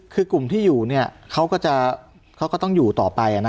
คือกลุ่มที่อยู่เขาก็จะต้องอยู่ต่อไปนะ